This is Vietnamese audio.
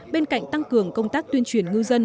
bên cạnh tăng cường công tác tuyên truyền ngư dân